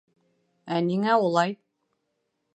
— Ә ниңә улай?